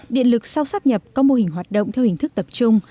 điện lực sau sắp nhập có mô hình hoạt động theo hình thức tập trung